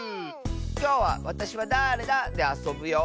きょうは「わたしはだれだ？」であそぶよ！